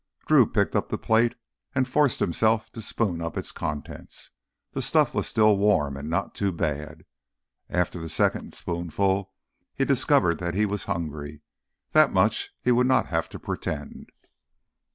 Drew picked up the plate and forced himself to spoon up its contents. The stuff was still warm and not too bad. After the second spoonful he discovered that he was hungry—that much he would not have to pretend.